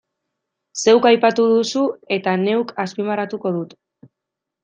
Zeuk aipatu duzu eta neuk azpimarratuko dut.